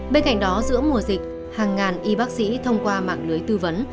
bên cạnh đó giữa mùa dịch hàng ngàn y bác sĩ thông qua mạng lưới tư vấn